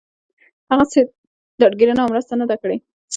هغسې ډاډ ګيرنه او مرسته نه ده کړې